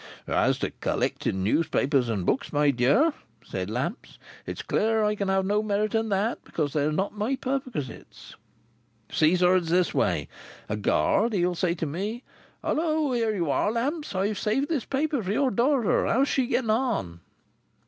"As to collecting newspapers and books, my dear," said Lamps, "it's clear I can have no merit in that, because they're not my perquisites. You see, sir, it's this way: A Guard, he'll say to me, 'Hallo, here you are, Lamps. I've saved this paper for your daughter. How is she agoing on?